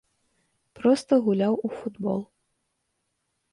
Проста гуляў у футбол!